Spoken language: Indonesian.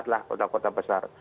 setelah kota kota besar